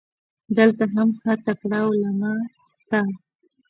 دلته هم ښه تکړه علما سته.